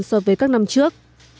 so với các năm trước